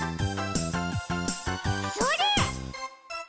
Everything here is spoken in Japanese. それ！